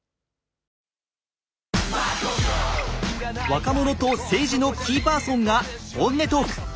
若者と政治のキーパーソンが本音トーク。